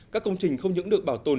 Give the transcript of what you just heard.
các công trình không những được bảo tồn